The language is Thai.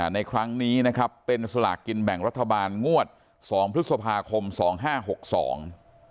ในครั้งนี้นะครับเป็นสลากกินแบ่งรัฐบาลงวดสองพฤษภาคมสองห้าหกสอง